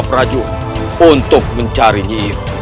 peracung untuk mencari nyiro